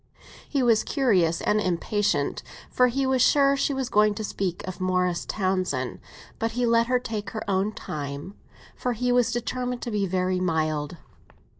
He was curious and impatient, for he was sure she was going to speak of Morris Townsend; but he let her take her own time, for he was determined to be very mild.